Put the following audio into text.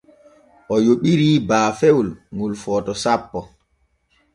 O yoɓiri baafewol ŋol Forto sappo.